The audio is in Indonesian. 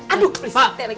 aduh beli sate lagi